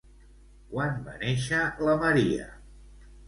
Quan va néixer la María?